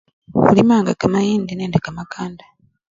Khulimanga kamayindi nende kamakanda.